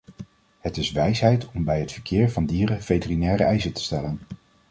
Het is wijsheid om bij het verkeer van dieren veterinaire eisen te stellen.